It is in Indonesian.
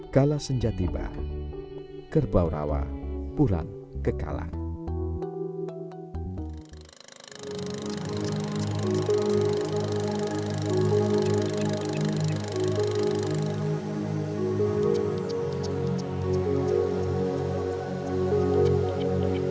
kala senjatiba kerbau rawa pulang kekalang